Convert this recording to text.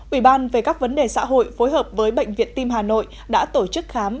ủy ban về các vấn đề xã hội phối hợp với bệnh viện tim hà nội đã tổ chức khám